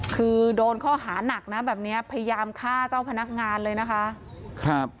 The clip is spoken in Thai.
คือโดนข้อหานักนะแบบนี้พยายามฆ่าเจ้าพนักงานเลยนะคะครับ